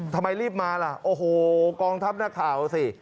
ทำไมรีบมาล่ะโอ้โหกองทัพนักข่าวสิ